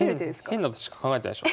変なことしか考えてないでしょ。